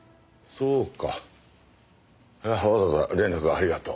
そうか。